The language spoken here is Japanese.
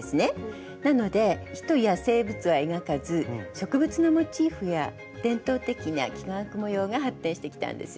なので人や生物は描かず植物のモチーフや伝統的な幾何学模様が発展してきたんです。